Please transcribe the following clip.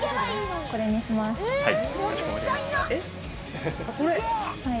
これにします。